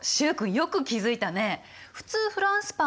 よく気付いたね。